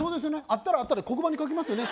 「あったらあったで黒板に書きますよね